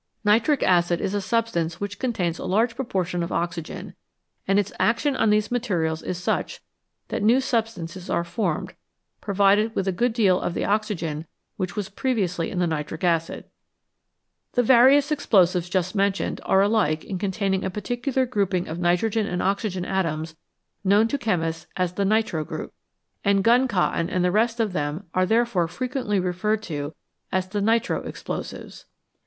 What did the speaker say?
Nitric acid is a substance which contains a large proportion of oxygen, and its action on these materials is such that new substances are formed provided with a good deal of the oxygen which was previously in the nitric acid. The various explosives just mentioned are alike in containing a particular group ing of nitrogen and oxygen atoms known to chemists as the " nitro " group, and gun cotton and the rest of them are therefore frequently referred to as the "nitro explosives."